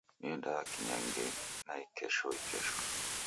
Niendagha kinyangenyi naikesho ikesho.